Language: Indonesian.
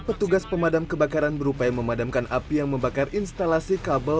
petugas pemadam kebakaran berupaya memadamkan api yang membakar instalasi kabel